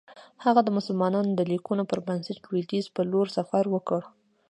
هغه د مسلمانانو د لیکنو پر بنسټ لویدیځ پر لور سفر وکړ.